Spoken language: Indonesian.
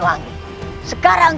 jangan pernah mereka c strategy